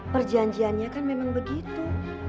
perjanjiannya kan memang begitu